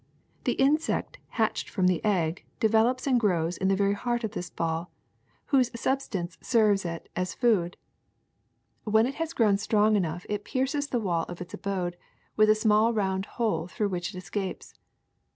The insect hatched from the egg develops and grows in the very heart of this ball, whose substance serves eS THE SECRET OF EVERYDAY THINGS it as food. When it has grown strong enough it pierces the wall of its abode with a small round hole through which it escapes.